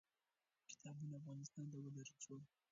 کتابونه افغانستان ته ولېږل شول.